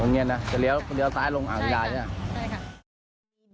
ตรงนี้นะจะเลี้ยวซ้ายลงอาวุธดายใช่ไหมค่ะใช่ค่ะ